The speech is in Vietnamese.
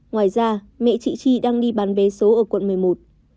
ngoài ra mẹ chị chi đang đi bán vé số ở quận một mươi một